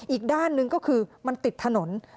อีกด้านหนึ่งก็คือมันติดถนน